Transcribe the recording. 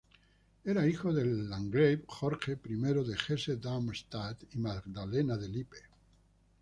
Era hijo del landgrave Jorge I de Hesse-Darmstadt y Magdalena de Lippe.